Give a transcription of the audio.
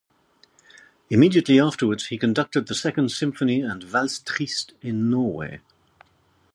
Immediately afterwards, he conducted the Second Symphony and "Valse triste" in Norway.